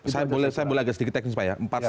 saya boleh agak sedikit teknis pak ya